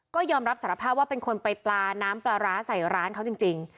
ก็ยอมรับสารภาพว่าเป็นคนไปปลาน้ำปลาร้าใส่ร้านเขาจริง